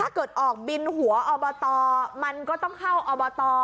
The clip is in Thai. เกิดออกบินหัวอบตมันก็ต้องเข้าอบต